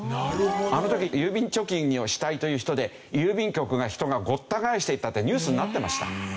あの時郵便貯金をしたいという人で郵便局が人がごった返していたってニュースになってました。